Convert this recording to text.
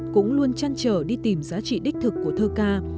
cũng luôn chăn trở đi tìm giá trị đích thực của thơ ca